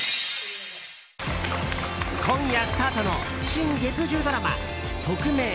今夜スタートの新月１０ドラマ「トクメイ！